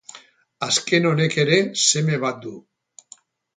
Azken honek ere seme bat du.